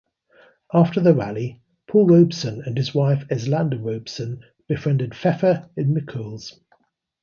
After the rally, Paul Robeson and his wife Eslanda Robeson, befriended Feffer and Mikhoels.